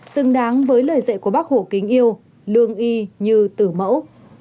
xứng đáng với lời dạy của bác hổ kính yêu lương y như tử mẫu